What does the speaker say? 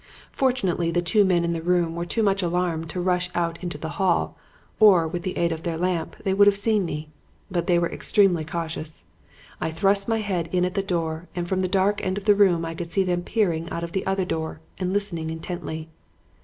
Fortunately the two men in the room were too much alarmed to rush out into the hall, or, with the aid of their lamp, they would have seen me. But they were extremely cautious. I thrust my head in at the door and from the dark end of the room I could see them peering out of the other door and listening intently.